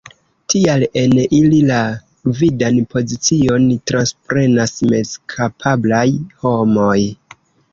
Tial en ili la gvidan pozicion transprenas mezkapablaj homoj.